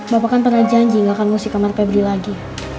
bapak kan pernah janji gak akan mesti kamar febri lagi